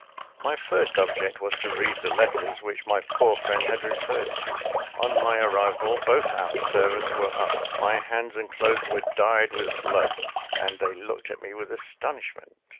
My first object was to read the letters which my poor friend had referred to. On my arrival, both our servants were up. My hands and clothes were dyed with blood, and they looked at me with astonishment.